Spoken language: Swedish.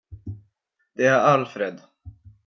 Det är Alfred.